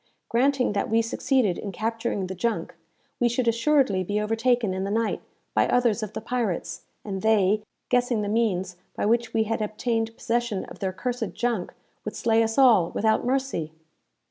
Granting that we succeeded in capturing the junk, we should assuredly be overtaken, in the night, by others of the pirates, and they, guessing the means by which we had obtained possession of their cursed junk, would slay us all, without mercy."